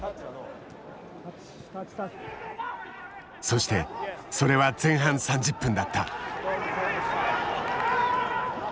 そしてそれは前半３０分だった。